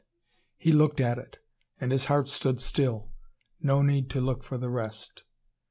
He looked at it, and his heart stood still. No need to look for the rest.